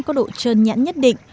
có độ trơn nhãn nhất định